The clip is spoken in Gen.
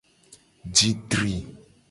Ji tri.